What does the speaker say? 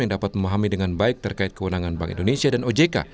yang dapat memahami dengan baik terkait kewenangan bank indonesia dan ojk